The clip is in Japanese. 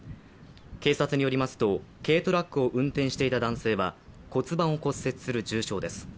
警察によりますと、軽トラックを運転していた男性は骨盤を骨折する重傷です。